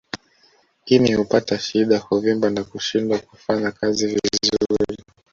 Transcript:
Ini hupata shida huvimba na kushindwa kufanya kazi vizuri